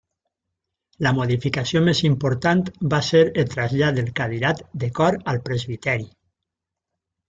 La modificació més important va ser el trasllat del cadirat de cor al presbiteri.